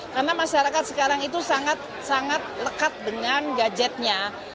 karena masyarakat sekarang itu sangat sangat lekat dengan gadgetnya